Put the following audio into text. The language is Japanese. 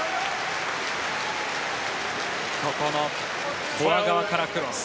ここのフォア側からクロス。